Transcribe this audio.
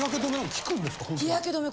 日焼け止め